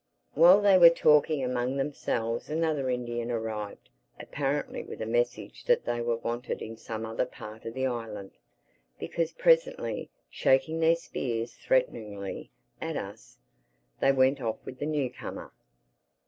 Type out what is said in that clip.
While they were talking among themselves another Indian arrived—apparently with a message that they were wanted in some other part of the island. Because presently, shaking their spears threateningly at us, they went off with the newcomer.